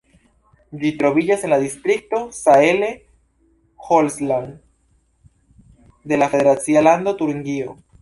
Ĝi troviĝas en la distrikto Saale-Holzland de la federacia lando Turingio.